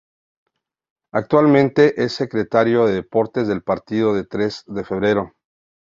Actualmente es Secretario de Deportes del Partido de Tres de Febrero.